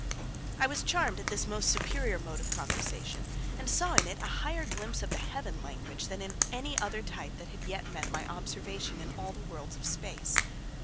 I was charmed at this most superior mode of conversation and saw in it a higher glimpse of the Heaven language than in any other type that had yet met my observation in all the worlds of space.